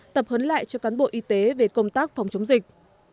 tập huấn lại cho cán bộ y tế về công tác phòng chống dịch